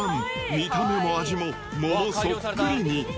見た目も味も桃そっくりに。